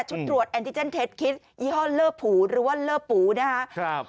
ตรวจแอนติเจนเท็จคิดยี่ห้อเลอร์ผูหรือว่าเลอร์ปูนะครับ